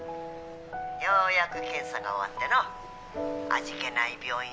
ようやく検査が終わっての味気ない病院